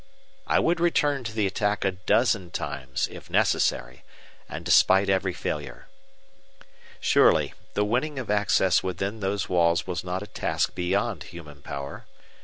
I would return to the attack a dozen times if necessary, and despite every failure. Surely, the winning of access within those walls was not a task beyond human power.